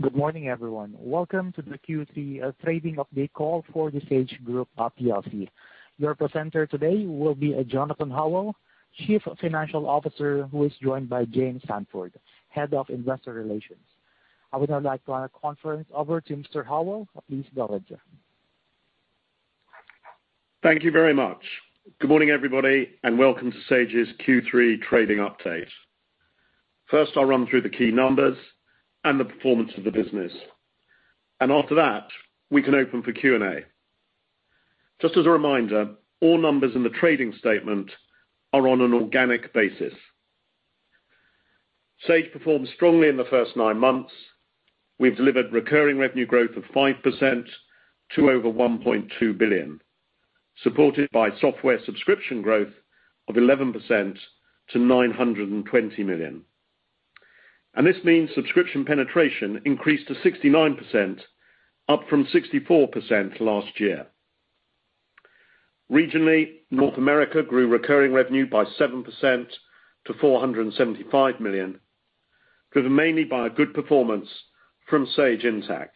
Good morning, everyone. Welcome to the Q3 trading update call for The Sage Group plc. Your presenter today will be Jonathan Howell, Chief Financial Officer, who is joined by James Sandford, Head of Investor Relations. I would now like to hand the conference over to Mr. Howell. Please go ahead, Jonathan. Thank you very much. Good morning, everybody, and welcome to Sage's Q3 trading update. First, I'll run through the key numbers and the performance of the business. After that, we can open for Q&A. Just as a reminder, all numbers in the trading statement are on an organic basis. Sage performed strongly in the first nine months. We've delivered recurring revenue growth of 5% to over 1.2 billion, supported by software subscription growth of 11% to 920 million. This means subscription penetration increased to 69%, up from 64% last year. Regionally, North America grew recurring revenue by 7% to 475 million, driven mainly by a good performance from Sage Intacct.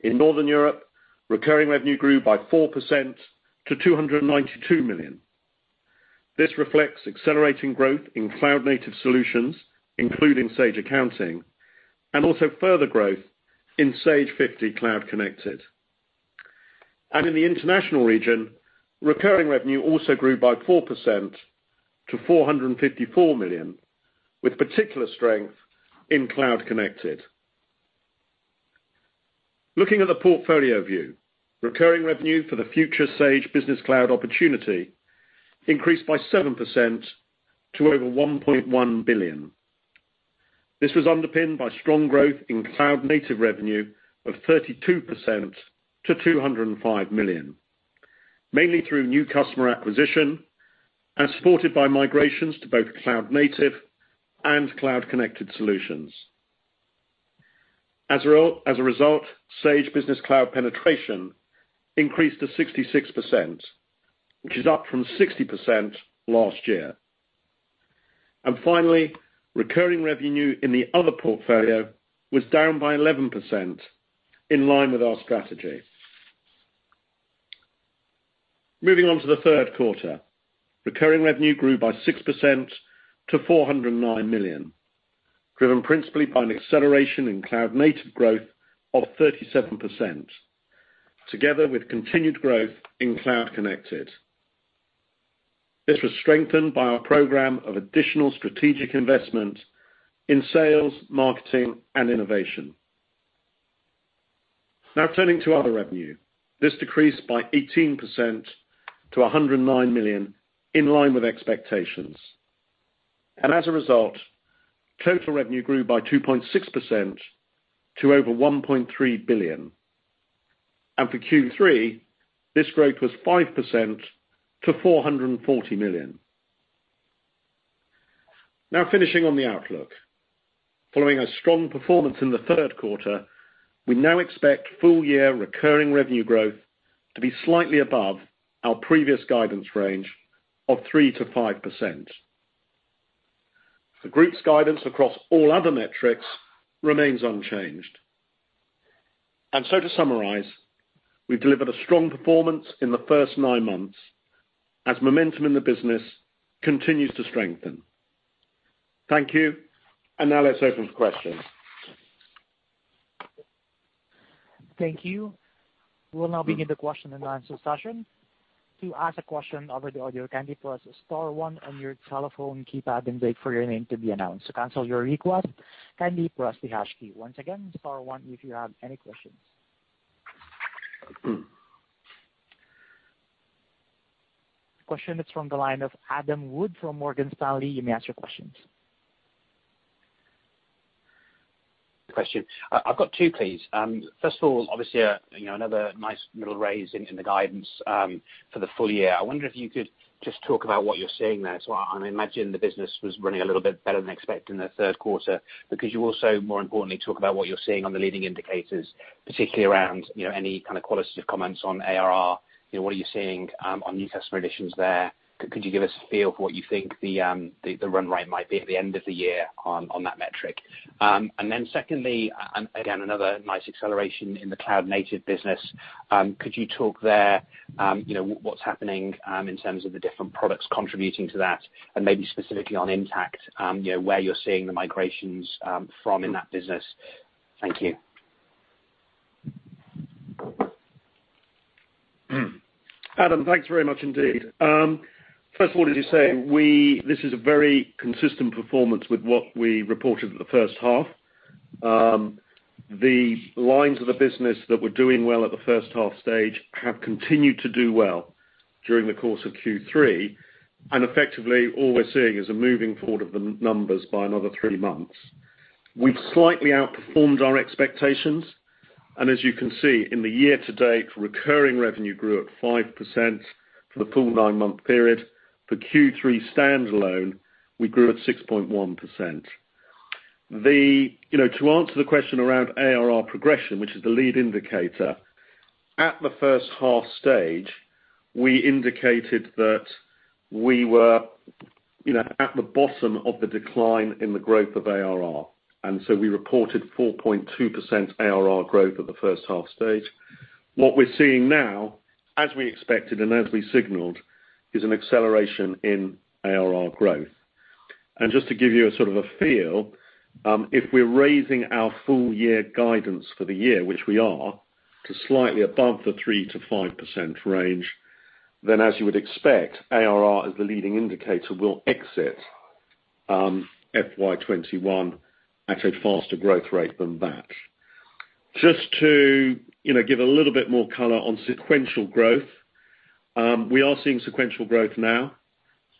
In Northern Europe, recurring revenue grew by 4% to 292 million. This reflects accelerating growth in Cloud Native solutions, including Sage Accounting, and also further growth in Sage 50cloud Connected. In the international region, recurring revenue also grew by 4% to 454 million, with particular strength in Cloud Connected. Looking at the portfolio view, recurring revenue for the future Sage Business Cloud opportunity increased by 7% to over 1.1 billion. This was underpinned by strong growth in Cloud Native revenue of 32% to 205 million, mainly through new customer acquisition and supported by migrations to both Cloud Native and Cloud Connected solutions. As a result, Sage Business Cloud penetration increased to 66%, which is up from 60% last year. Finally, recurring revenue in the other portfolio was down by 11%, in line with our strategy. Moving on to the third quarter. Recurring revenue grew by 6% to 409 million, driven principally by an acceleration in Cloud Native growth of 37%, together with continued growth in Cloud Connected. This was strengthened by our program of additional strategic investment in sales, marketing, and innovation. Turning to other revenue. This decreased by 18% to 109 million, in line with expectations. As a result, total revenue grew by 2.6% to over 1.3 billion. For Q3, this growth was 5% to 440 million. Finishing on the outlook. Following a strong performance in the third quarter, we now expect full-year recurring revenue growth to be slightly above our previous guidance range of 3%-5%. The group's guidance across all other metrics remains unchanged. To summarize, we've delivered a strong performance in the first nine months as momentum in the business continues to strengthen. Thank you. Now let's open for questions. Thank you. We will now begin the question and answer session. To ask a question over the audio, kindly, press star one on your telephone keypad and wait for your name to be announced. To cancel your request, kindly press the hash key. Once again, star one if you have any questions. Question is from the line of Adam Wood from Morgan Stanley. You may ask your questions. Question. I've got two, please. First of all, obviously, another nice little raise in the guidance for the full year. I wonder if you could just talk about what you're seeing there as well. I imagine the business was running a little bit better than expected in the third quarter, because you also, more importantly, talk about what you're seeing on the leading indicators, particularly around any kind of qualitative comments on ARR. What are you seeing on new customer additions there? Could you give us a feel for what you think the run rate might be at the end of the year on that metric? Then secondly, again, another nice acceleration in the Cloud-Native business. Could you talk there what's happening in terms of the different products contributing to that? And maybe specifically on Intacct, where you're seeing the migrations from in that business. Thank you. Adam, thanks very much indeed. First of all, as you say, this is a very consistent performance with what we reported for the first half. The lines of the business that were doing well at the first half stage have continued to do well during the course of Q3, and effectively, all we're seeing is a moving forward of the numbers by another three months. We've slightly outperformed our expectations, and as you can see, in the year to date, recurring revenue grew at 5% for the full nine-month period. For Q3 standalone, we grew at 6.1%. To answer the question around ARR progression, which is the lead indicator, at the first half stage, we indicated that we wereat the bottom of the decline in the growth of ARR. So we reported 4.2% ARR growth at the first half stage. What we're seeing now, as we expected and as we signaled, is an acceleration in ARR growth. Just to give you a sort of a feel, if we're raising our full year guidance for the year, which we are, to slightly above the 3%-5% range, then as you would expect, ARR as the leading indicator, will exit FY 2021 at a faster growth rate than that. Just to give a little bit more color on sequential growth. We are seeing sequential growth now.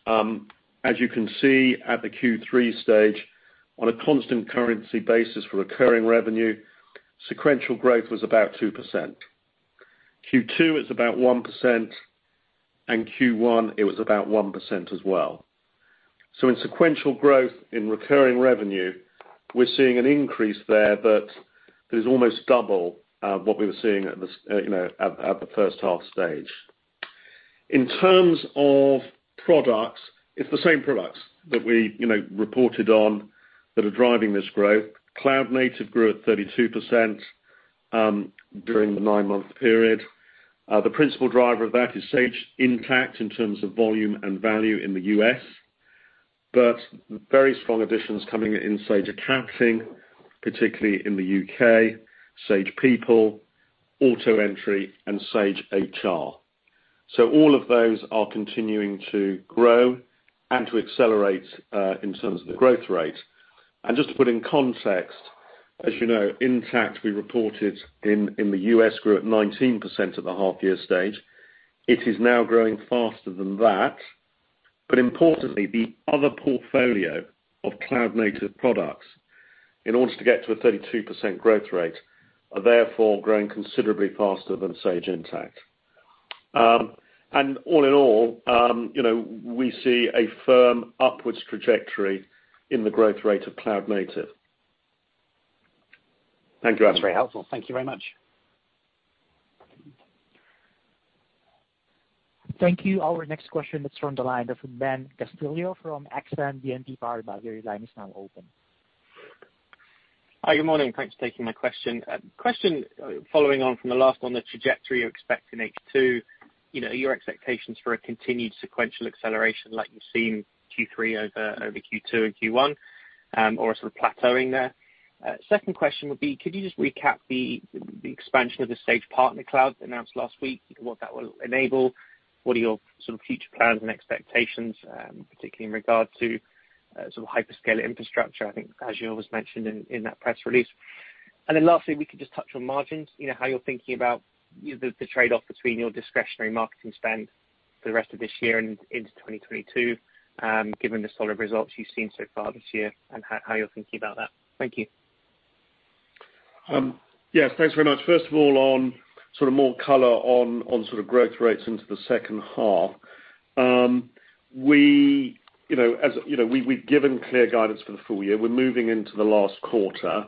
As you can see at the Q3 stage, on a constant currency basis for recurring revenue, sequential growth was about 2%. Q2 is about 1%, and Q1 it was about 1% as well. In sequential growth in recurring revenue, we're seeing an increase there that is almost double what we were seeing at the first half stage. In terms of products, it's the same products that we reported on that are driving this growth. Cloud Native grew at 32% during the nine-month period. The principal driver of that is Sage Intacct in terms of volume and value in the U.S., but very strong additions coming in Sage Accounting, particularly in the U.K., Sage People, AutoEntry, and Sage HR. All of those are continuing to grow and to accelerate in terms of the growth rate. Just to put in context, as you know, Intacct, we reported in the U.S., grew at 19% at the half year stage. It is now growing faster than that. Importantly, the other portfolio of Cloud Native products, in order to get to a 32% growth rate, are therefore growing considerably faster than Sage Intacct. All in all, we see a firm upwards trajectory in the growth rate of Cloud Native. Thank you, Adam. That's very helpful. Thank you very much. Thank you. Our next question is from the line of Ben Castillo from Exane BNP Paribas. Your line is now open. Hi, good morning. Thanks for taking my question. Question following on from the last on the trajectory you expect in H2, your expectations for a continued sequential acceleration like you've seen Q3 over Q2 and Q1, or a sort of plateauing there? Second question would be, could you just recap the expansion of the Sage Partner Cloud announced last week? What that will enable? What are your sort of future plans and expectations, particularly in regard to sort of hyperscale infrastructure? I think Azure was mentioned in that press release. Lastly, if we could just touch on margins, how you're thinking about the trade-off between your discretionary marketing spend for the rest of this year and into 2022, given the solid results you've seen so far this year, and how you're thinking about that. Thank you. Yes, thanks very much. First of all, on sort of more color on growth rates into the second half. We've given clear guidance for the full year. We're moving into the last quarter,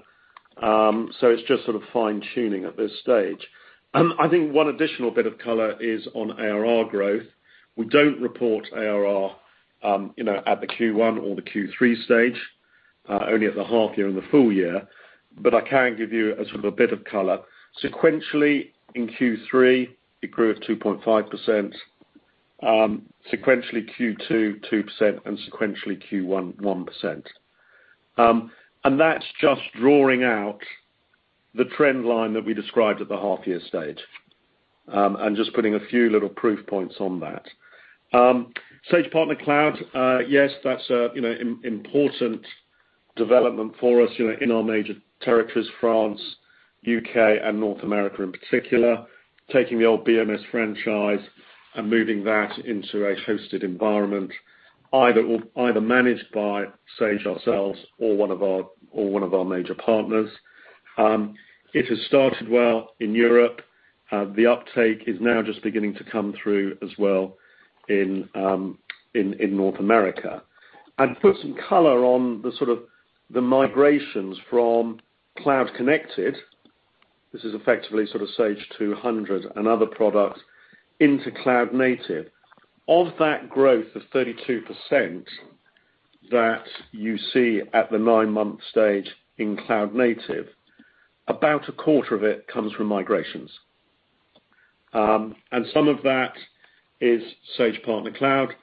so it's just sort of fine-tuning at this stage. I think one additional bit of color is on ARR growth. We don't report ARR at the Q1 or the Q3 stage, only at the half year and the full year. I can give you a sort of a bit of color. Sequentially in Q3, it grew at 2.5%, sequentially Q2 2%, and sequentially Q1 1%. That's just drawing out the trend line that we described at the half year stage. Just putting a few little proof points on that. Sage Partner Cloud, yes, that's an important development for us in our major territories, France, U.K., and North America in particular, taking the old BMS franchise and moving that into a hosted environment, either managed by Sage ourselves or one of our major partners. It has started well in Europe. The uptake is now just beginning to come through as well in North America. I'd put some color on the sort of the migrations from Cloud Connected, this is effectively sort of Sage 200 and other products, into Cloud Native. Of that growth of 32% that you see at the nine-month stage in Cloud Native, about a quarter of it comes from migrations. Some of that is Sage Partner Cloud.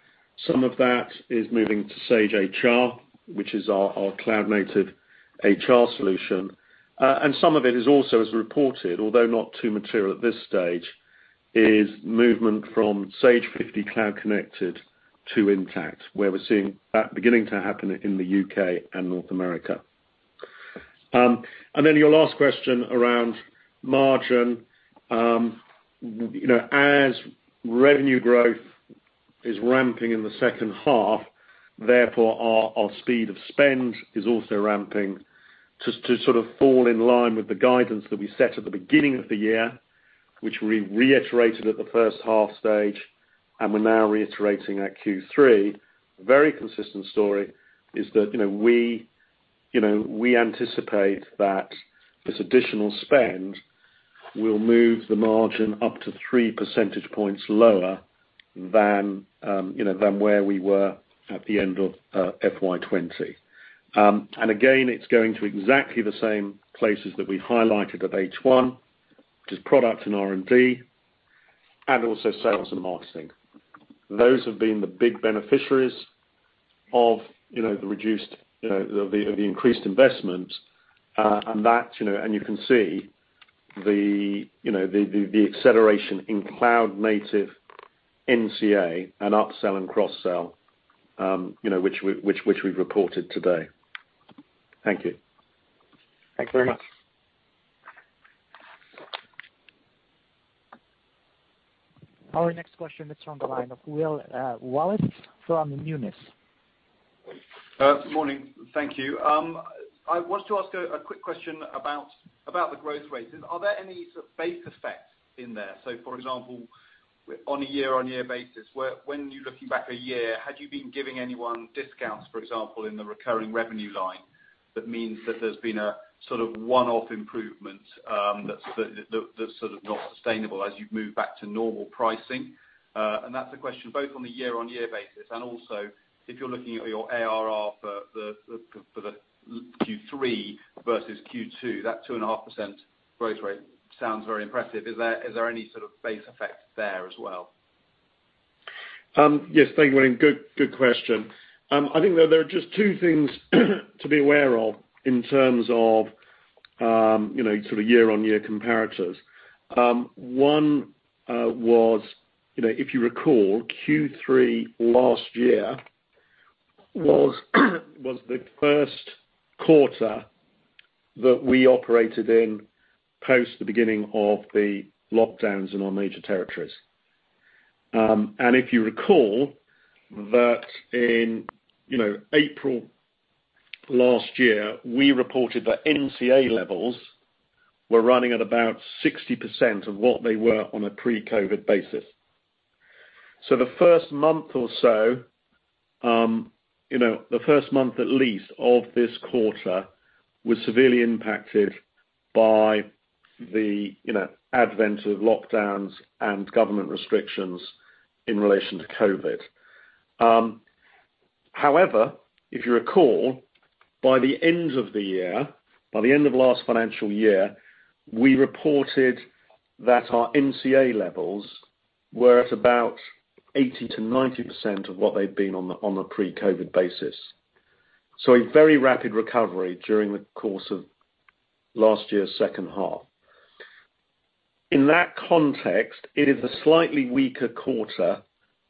Some of that is moving to Sage HR, which is our Cloud Native HR solution. Some of it is also, as reported, although not too material at this stage, is movement from Sage 50cloud Connected to Intacct, where we're seeing that beginning to happen in the U.K. and North America. Then your last question around margin. As revenue growth is ramping in the second half, therefore our speed of spend is also ramping to sort of fall in line with the guidance that we set at the beginning of the year, which we reiterated at the first half stage, and we're now reiterating at Q3. A very consistent story is that we anticipate that this additional spend will move the margin up to 3 percentage points lower than where we were at the end of FY 2020. Again, it's going to exactly the same places that we highlighted at H1, which is product and R&D, and also sales and marketing. Those have been the big beneficiaries of the increased investment. You can see the acceleration in Cloud Native NCA and upsell and cross-sell which we've reported today. Thank you. Thanks very much. Our next question is from the line of Will Wallis from Numis. Good morning. Thank you. I want to ask a quick question about the growth rates. Are there any sort of base effects in there? For example, on a year-on-year basis, when you're looking back a year, had you been giving anyone discounts, for example, in the recurring revenue line, that means that there's been a sort of one-off improvement that's sort of not sustainable as you've moved back to normal pricing? That's a question both on the year-on-year basis and also if you're looking at your ARR for the Q3 versus Q2, that 2.5% growth rate sounds very impressive. Is there any sort of base effect there as well? Yes. Thank you, Will. Good question. I think there are just two things to be aware of in terms of sort of year-on-year comparators. One was, if you recall, Q3 last year was the first quarter that we operated in post the beginning of the lockdowns in our major territories. If you recall that in April last year, we reported that NCA levels were running at about 60% of what they were on a pre-COVID basis. The first month at least of this quarter was severely impacted by the advent of lockdowns and government restrictions in relation to COVID. If you recall, by the end of the year, by the end of last financial year, we reported that our NCA levels were at about 80%-90% of what they'd been on the pre-COVID basis. A very rapid recovery during the course of last year's second half. In that context, it is a slightly weaker quarter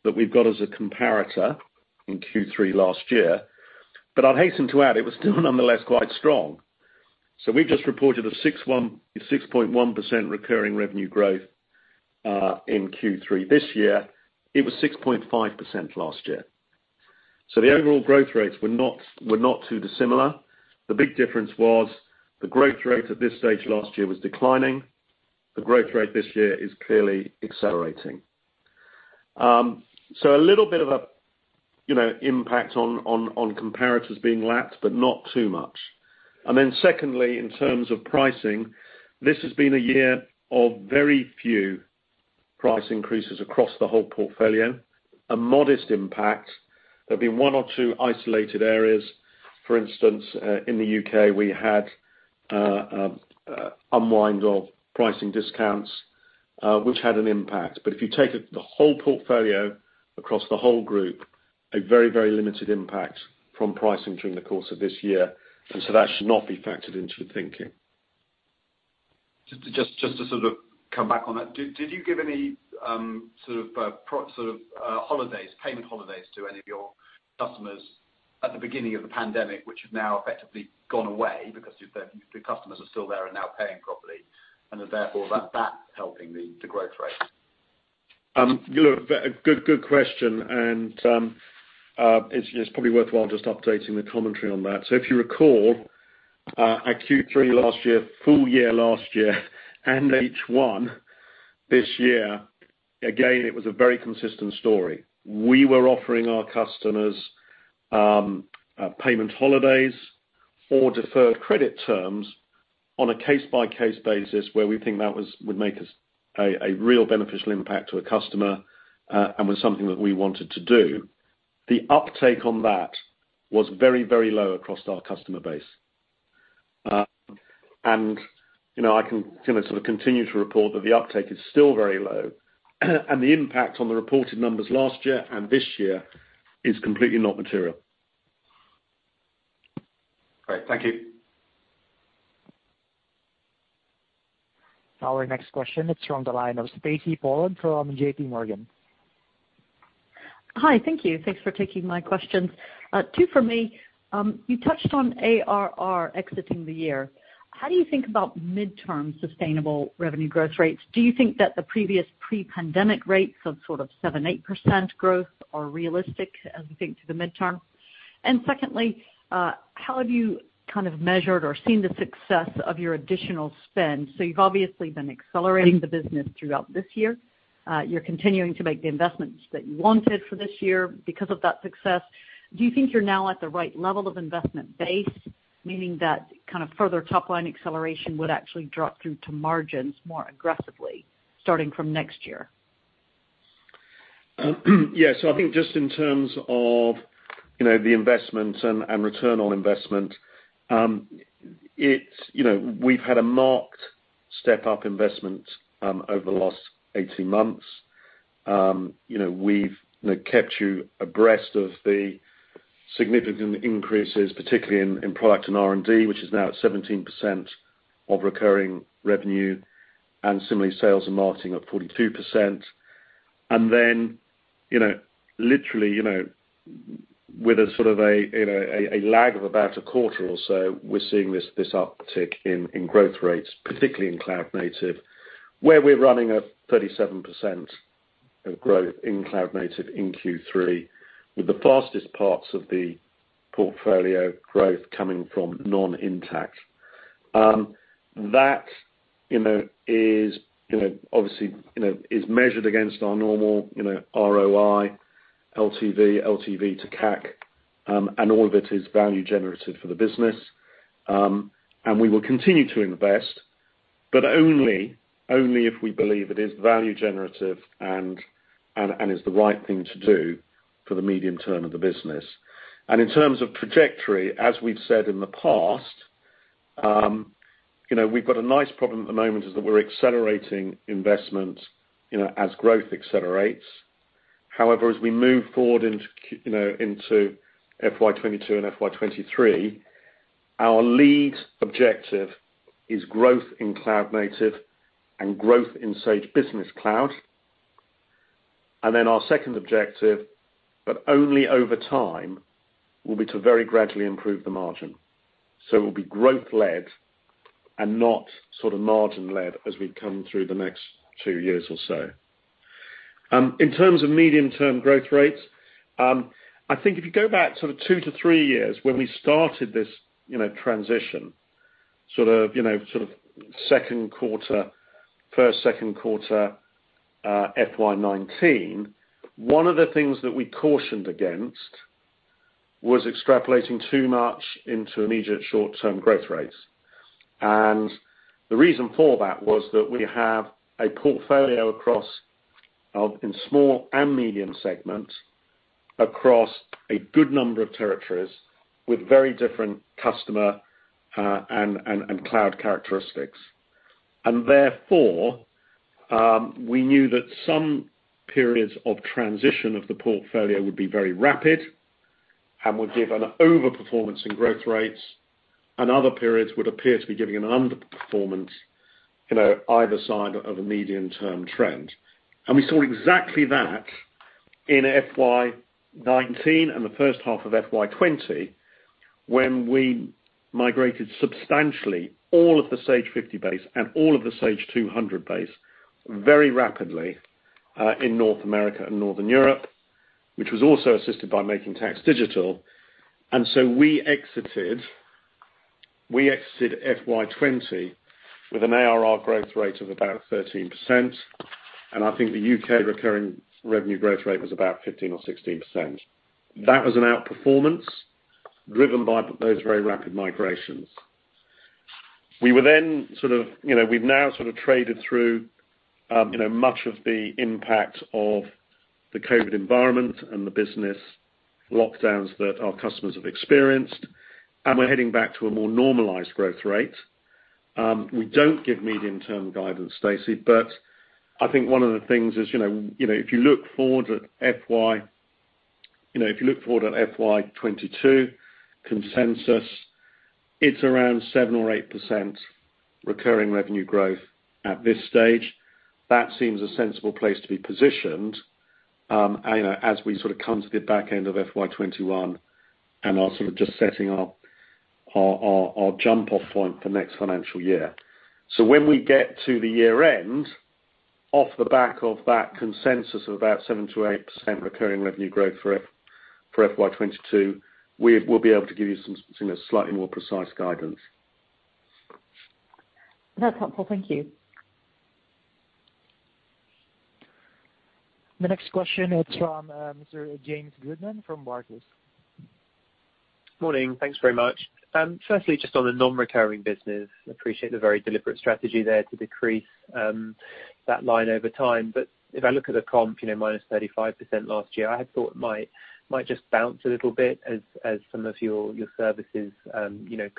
that we've got as a comparator in Q3 last year. I'd hasten to add it was still nonetheless quite strong. We've just reported a 6.1% recurring revenue growth, in Q3 this year, it was 6.5% last year. The overall growth rates were not too dissimilar. The big difference was the growth rate at this stage last year was declining. The growth rate this year is clearly accelerating. A little bit of an impact on comparators being lapped, but not too much. Then secondly, in terms of pricing, this has been a year of very few price increases across the whole portfolio, a modest impact. There'll be one or two isolated areas. For instance, in the U.K., we had unwind of pricing discounts, which had an impact. If you take the whole portfolio across the whole group, a very, very limited impact from pricing during the course of this year. That should not be factored into the thinking. Just to sort of come back on that, did you give any sort of payment holidays to any of your customers at the beginning of the pandemic, which have now effectively gone away because the customers are still there and now paying properly, and therefore that's helping the growth rate? It's probably worthwhile just updating the commentary on that. If you recall, at Q3 last year, full year last year, and H1 this year, again, it was a very consistent story. We were offering our customers payment holidays or deferred credit terms on a case-by-case basis where we think that would make a real beneficial impact to a customer, and was something that we wanted to do. The uptake on that was very low across our customer base. I can continue to report that the uptake is still very low and the impact on the reported numbers last year and this year is completely not material. Great. Thank you. Our next question is from the line of Stacy Pollard from JPMorgan. Hi. Thank you. Thanks for taking my questions. Two from me. You touched on ARR exiting the year. How do you think about midterm sustainable revenue growth rates? Do you think that the previous pre-pandemic rates of sort of 7%-8% growth are realistic as we think to the midterm? Secondly, how have you kind of measured or seen the success of your additional spend? You've obviously been accelerating the business throughout this year. You're continuing to make the investments that you wanted for this year because of that success. Do you think you're now at the right level of investment base, meaning that kind of further top-line acceleration would actually drop through to margins more aggressively starting from next year? Yeah. I think just in terms of the investment and return on investment, we've had a marked step-up investment over the last 18 months. We've kept you abreast of the significant increases, particularly in product and R&D, which is now at 17% of recurring revenue, and similarly, sales and marketing at 42%. Literally, with a lag of about a quarter or so, we're seeing this uptick in growth rates, particularly in Cloud Native, where we're running at 37% of growth in Cloud Native in Q3, with the fastest parts of the portfolio growth coming from non-Intacct. That is obviously measured against our normal ROI, LTV to CAC, all of it is value generative for the business. We will continue to invest, only if we believe it is value generative and is the right thing to do for the medium term of the business. In terms of trajectory, as we’ve said in the past, we’ve got a nice problem at the moment, is that we’re accelerating investment as growth accelerates. However, as we move forward into FY 2022 and FY 2023, our lead objective is growth in Cloud Native and growth in Sage Business Cloud. Our second objective, but only over time, will be to very gradually improve the margin. It will be growth-led and not margin-led as we come through the next two years or so. In terms of medium-term growth rates, I think if you go back two to three years, when we started this transition, first, second quarter FY 2019, one of the things that we cautioned against was extrapolating too much into immediate short-term growth rates. The reason for that was that we have a portfolio in small and medium segments across a good number of territories with very different customer and cloud characteristics. Therefore, we knew that some periods of transition of the portfolio would be very rapid and would give an over-performance in growth rates, and other periods would appear to be giving an under-performance either side of a medium-term trend. We saw exactly that in FY 2019 and the first half of FY 2020, when we migrated substantially all of the Sage 50 base and all of the Sage 200 base very rapidly in North America and Northern Europe, which was also assisted by Making Tax Digital. We exited FY 2020 with an ARR growth rate of about 13%, and I think the U.K. recurring revenue growth rate was about 15% or 16%. That was an out-performance driven by those very rapid migrations. We've now traded through much of the impact of the COVID environment and the business lockdowns that our customers have experienced, and we're heading back to a more normalized growth rate. We don't give medium-term guidance, Stacy, but I think one of the things is, if you look forward at FY 2022 consensus, it's around 7% or 8% recurring revenue growth at this stage. That seems a sensible place to be positioned as we come to the back end of FY 2021 and are just setting our jump-off point for next financial year. When we get to the year end, off the back of that consensus of about 7%-8% recurring revenue growth for FY 2022, we'll be able to give you some slightly more precise guidance. That's helpful. Thank you. The next question is from Mr. James Goodman from Barclays. Morning. Thanks very much. Firstly, just on the non-recurring business, I appreciate the very deliberate strategy there to decrease that line over time. If I look at the comp, minus 35% last year, I had thought it might just bounce a little bit as some of your services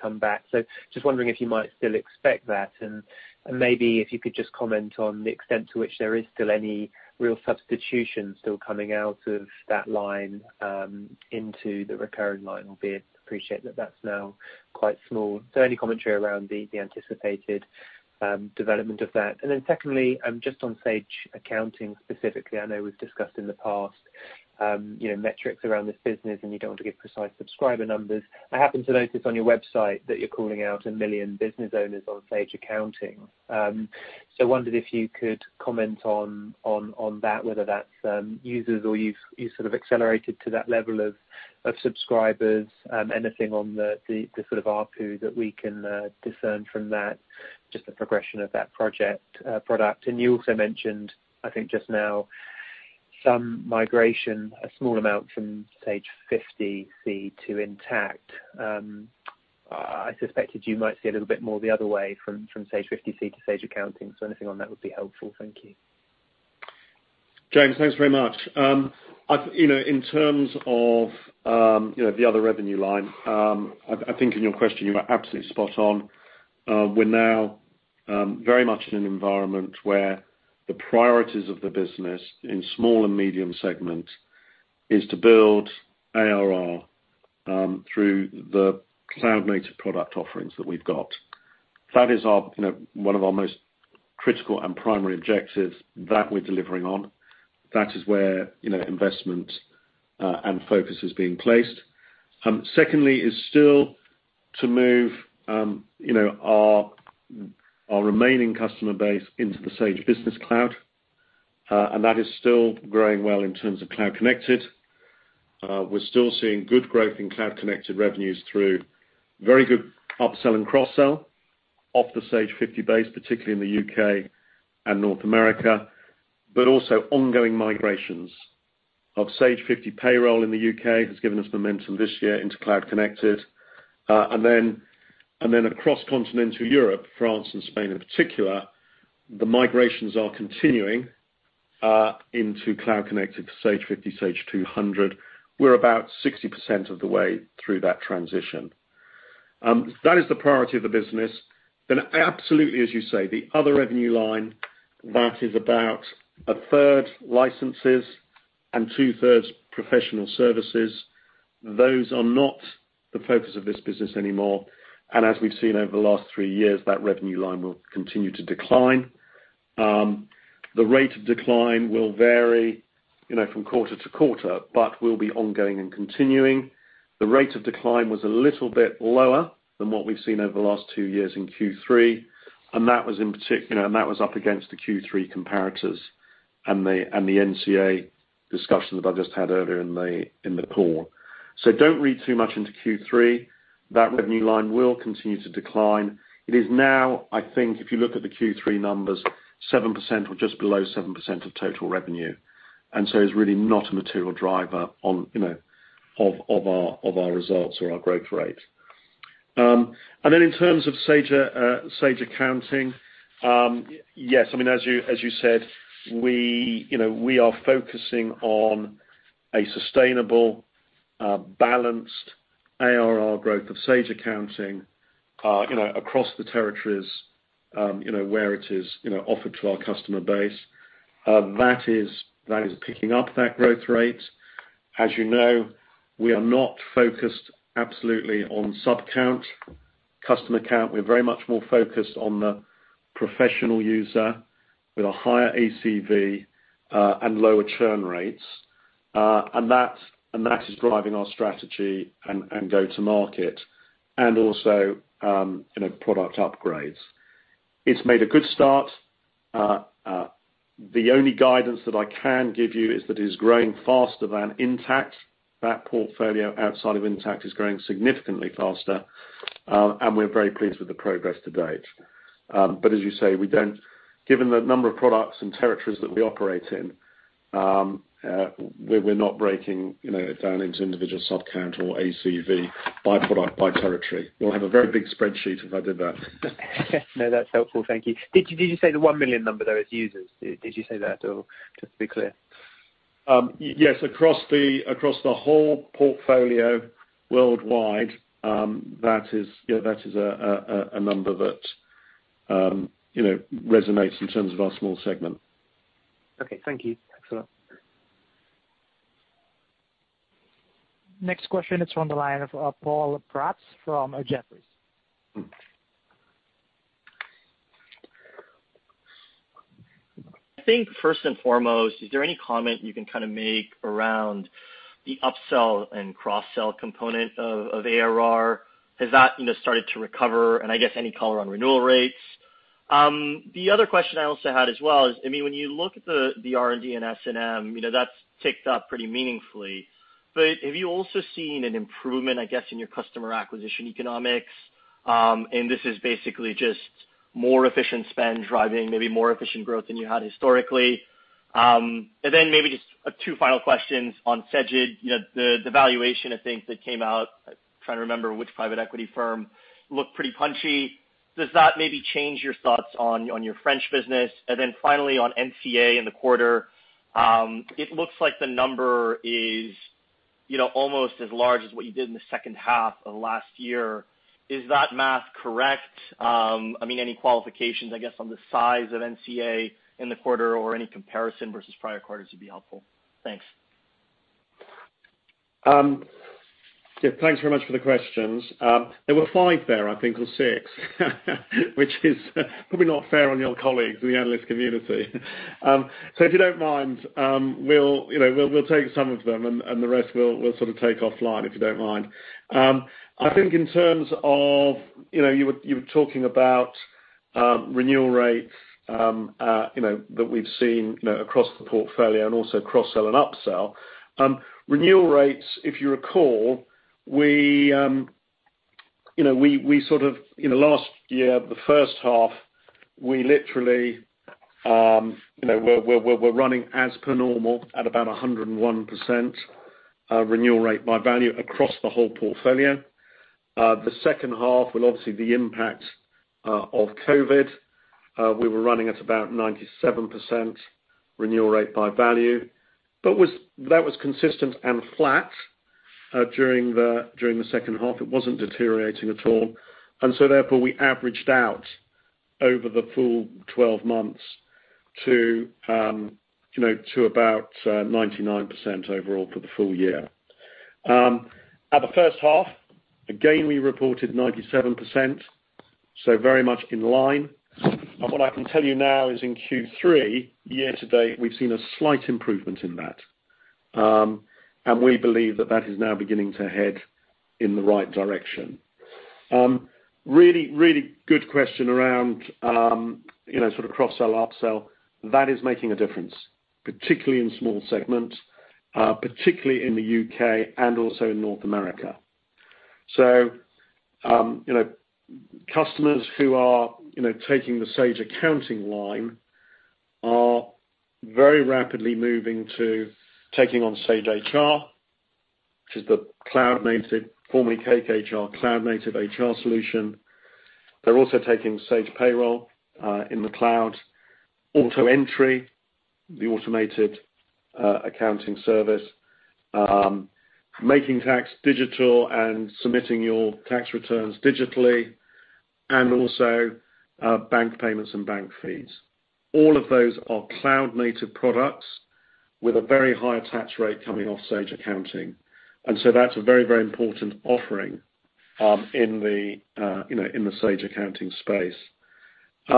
come back. Just wondering if you might still expect that, and maybe if you could just comment on the extent to which there is still any real substitution still coming out of that line into the recurring line, albeit appreciate that that's now quite small. Any commentary around the anticipated development of that. Secondly, just on Sage Accounting specifically, I know we've discussed in the past metrics around this business, and you don't want to give precise subscriber numbers. I happen to notice on your website that you're calling out one million business owners on Sage Accounting. Wondered if you could comment on that, whether that's users or you've accelerated to that level of subscribers. Anything on the ARPU that we can discern from that, just the progression of that product. You also mentioned, I think just now, some migration, a small amount from Sage 50, to Intacct. I suspected you might see a little bit more the other way from Sage 50c to Sage Accounting. Anything on that would be helpful. Thank you. James, thanks very much. In terms of the other revenue line, I think in your question you are absolutely spot on. We're now very much in an environment where the priorities of the business in small and medium segment is to build ARR through the cloud-native product offerings that we've got. That is one of our most critical and primary objectives that we're delivering on. That is where investment and focus is being placed. Secondly, is still to move our remaining customer base into the Sage Business Cloud, and that is still growing well in terms of Cloud Connected. We're still seeing good growth in Cloud Connected revenues through very good upsell and cross-sell off the Sage 50 base, particularly in the U.K. and North America, but also ongoing migrations of Sage 50 payroll in the U.K., has given us momentum this year into Cloud Connected. Across continental Europe, France and Spain in particular, the migrations are continuing into Cloud Connected Sage 50, Sage 200. We're about 60% of the way through that transition. That is the priority of the business. Absolutely, as you say, the other revenue line that is about 1/3 licenses and 2/3 professional services, those are not the focus of this business anymore, and as we've seen over the last three years, that revenue line will continue to decline. The rate of decline will vary from quarter to quarter, but will be ongoing and continuing. The rate of decline was a little bit lower than what we've seen over the last two years in Q3, and that was up against the Q3 comparators and the NCA discussion that I just had earlier in the call. Don't read too much into Q3. That revenue line will continue to decline. It is now, I think, if you look at the Q3 numbers, 7% or just below 7% of total revenue, is really not a material driver of our results or our growth rate. In terms of Sage Accounting, yes, as you said, we are focusing on a sustainable, balanced ARR growth of Sage Accounting across the territories where it is offered to our customer base. That is picking up that growth rate. As you know, we are not focused absolutely on sub count, customer count. We're very much more focused on the professional user with a higher ACV and lower churn rates, and that is driving our strategy and go to market and also product upgrades. It's made a good start. The only guidance that I can give you is that it is growing faster than Intacct. That portfolio outside of Intacct is growing significantly faster, and we're very pleased with the progress to date. As you say, given the number of products and territories that we operate in, we're not breaking it down into individual sub count or ACV by product, by territory. We'll have a very big spreadsheet if I did that. No, that's helpful. Thank you. Did you say the 1 million number, though, is users? Did you say that, or just to be clear? Yes. Across the whole portfolio worldwide, that is a number that resonates in terms of our small segment. Okay. Thank you. Excellent. Next question is from the line of Paul Kratz from Jefferies. I think first and foremost, is there any comment you can make around the upsell and cross-sell component of ARR? Has that started to recover, and I guess any color on renewal rates? The other question I also had as well is, when you look at the R&D and S&M, that's ticked up pretty meaningfully. Have you also seen an improvement, I guess, in your customer acquisition economics? This is basically just more efficient spend driving, maybe more efficient growth than you had historically. Maybe just two final questions on Sage. The valuation of things that came out, I'm trying to remember which private equity firm, looked pretty punchy. Does that maybe change your thoughts on your French business? Finally on NCA in the quarter, it looks like the number is almost as large as what you did in the second half of last year. Is that math correct? Any qualifications, I guess, on the size of NCA in the quarter or any comparison versus prior quarters would be helpful. Thanks. Yeah. Thanks very much for the questions. There were five there, I think, or six, which is probably not fair on your colleagues in the analyst community. If you don't mind, we'll take some of them, and the rest we'll take offline, if you don't mind. I think in terms of, you were talking about renewal rates that we've seen across the portfolio and also cross-sell and upsell. Renewal rates, if you recall, in the last year, the first half, we literally, we're running as per normal at about 101% renewal rate by value across the whole portfolio. The second half will obviously be impact of COVID. We were running at about 97% renewal rate by value, but that was consistent and flat during the second half. It wasn't deteriorating at all. Therefore, we averaged out over the full 12 months to about 99% overall for the full year. At the first half, again, we reported 97%, so very much in line. What I can tell you now is in Q3, year to date, we've seen a slight improvement in that. We believe that that is now beginning to head in the right direction. Really good question around sort of cross-sell, up-sell. That is making a difference, particularly in small segments, particularly in the U.K. and also in North America. Customers who are taking the Sage Accounting are very rapidly moving to taking on Sage HR, which is the cloud-native, formerly CakeHR, cloud-native HR solution. They're also taking Sage Payroll in the cloud, AutoEntry, the automated accounting service, Making Tax Digital and submitting your tax returns digitally, and also bank payments and bank feeds. All of those are cloud-native products with a very high attach rate coming off Sage Accounting. That's a very important offering in the Sage Accounting space.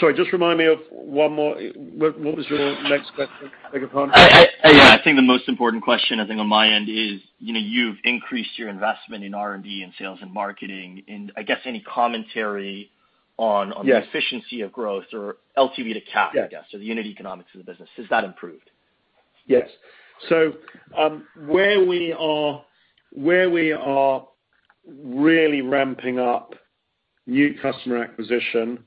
Sorry, just remind me of one more. What was your next question? Beg your pardon. Yeah. I think the most important question, I think on my end is, you've increased your investment in R&D, in sales and marketing, and I guess any commentary on- Yes The efficiency of growth or LTV to CAC, I guess, or the unit economics of the business. Has that improved? Yes. Where we are really ramping up new customer acquisition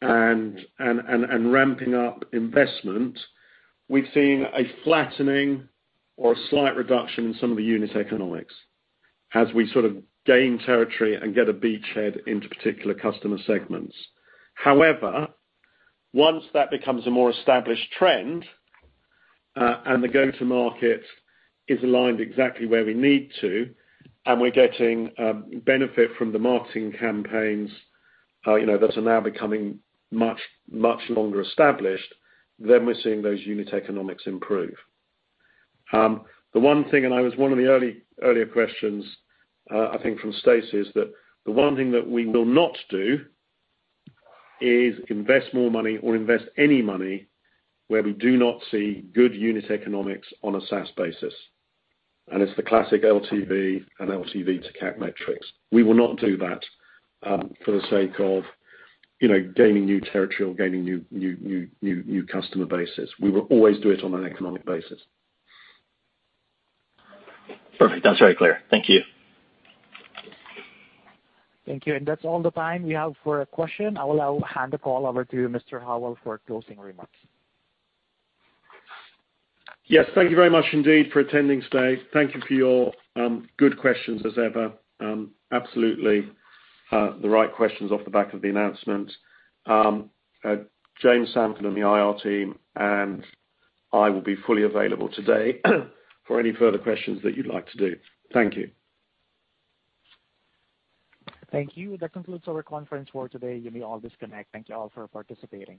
and ramping up investment, we've seen a flattening or a slight reduction in some of the unit economics as we sort of gain territory and get a beachhead into particular customer segments. However, once that becomes a more established trend, and the go-to-market is aligned exactly where we need to, and we're getting benefit from the marketing campaigns that are now becoming much longer established, then we're seeing those unit economics improve. The one thing, and it was one of the earlier questions, I think from Stacy, is that the one thing that we will not do is invest more money or invest any money where we do not see good unit economics on a SaaS basis. It's the classic LTV and LTV to CAC metrics. We will not do that for the sake of gaining new territory or gaining new customer bases. We will always do it on an economic basis. Perfect. That's very clear. Thank you. Thank you. That's all the time we have for question. I will now hand the call over to Mr. Howell for closing remarks. Yes. Thank you very much indeed for attending today. Thank you for your good questions as ever. Absolutely, the right questions off the back of the announcement. James Sherwin-Smith and the IR team, I will be fully available today for any further questions that you'd like to do. Thank you. Thank you. That concludes our conference for today. You may all disconnect. Thank you all for participating.